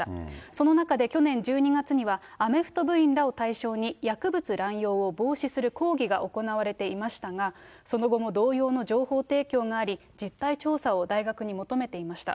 その中で、去年１２月には、アメフト部員らを対象に、薬物乱用を防止する講義が行われていましたが、その後も同様の情報提供があり、実態調査を大学に求めていました。